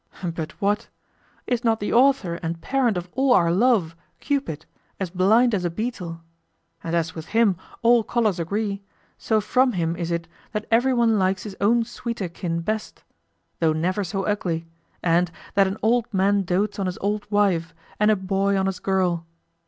But what? Is not the author and parent of all our love, Cupid, as blind as a beetle? And as with him all colors agree, so from him is it that everyone likes his own sweeter kin best, though never so ugly, and "that an old man dotes on his old wife, and a boy on his girl."